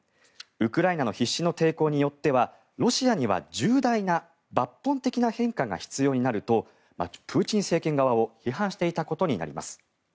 ウクライナの必死の抵抗によってはロシアには重大な抜本的な変化が必要になるとプーチン政権側を批判していたことになります。